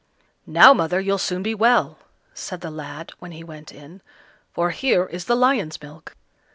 "Now, mother, you'll soon be well," said the lad, when he went in, "for here is the lion's milk."